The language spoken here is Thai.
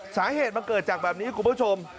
สาเหตุมาเกิดจากแบบนี้คุณผู้ชม